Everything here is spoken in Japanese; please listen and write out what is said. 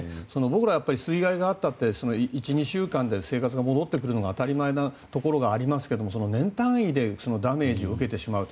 僕ら、水害があったって１２週間で生活が戻ってくるのが当たり前なところがありますけど年単位でダメージを受けてしまう。